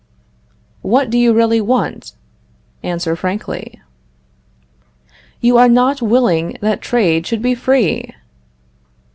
What do you really want? Answer frankly. You are not willing that trade should be free!